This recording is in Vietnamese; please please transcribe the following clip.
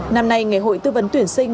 năm nay ngày hội tư vấn tuyển sinh